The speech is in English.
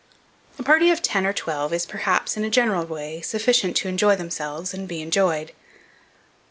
A party of ten or twelve is, perhaps, in a general way, sufficient to enjoy themselves and be enjoyed.